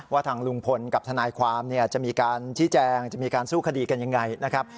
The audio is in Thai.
ทางลุงพลกับทนายความเนี่ยจะมีการชี้แจงจะมีการสู้คดีกันยังไงนะครับ